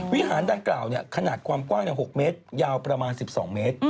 วิหารดังกล่าวขนาดความกว้าง๖เมตรยาวประมาณ๑๒เมตร